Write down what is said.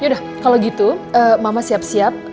yaudah kalau gitu mama siap siap